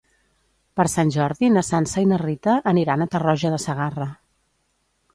Per Sant Jordi na Sança i na Rita aniran a Tarroja de Segarra.